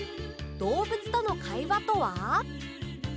「動物との会話」とは？